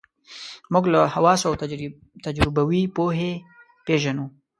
موږ له حواسو او تجربوي پوهې پېژنو.